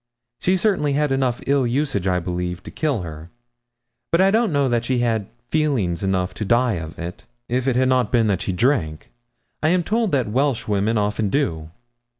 She certainly had enough ill usage, I believe, to kill her; but I don't know that she had feeling enough to die of it, if it had not been that she drank: I am told that Welsh women often do.